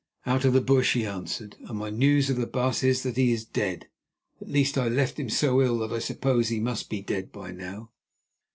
"Out of the bush," he answered, "and my news of the baas is that he is dead. At least, I left him so ill that I suppose he must be dead by now."